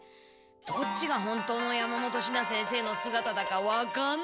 どっちが本当の山本シナ先生のすがただかわかんない。